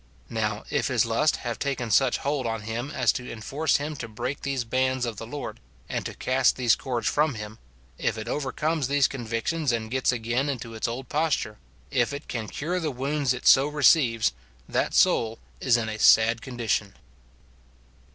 Now, if his lust have taken such hold on him as to enforce him to break these bands of the Lord, and to cast these cords from him, — if it overcomes these convictions, and gets again into its old posture, — if it can cure the wounds it so receives, — that soul is in a sad condition.